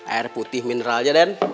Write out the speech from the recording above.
air putih mineral aja den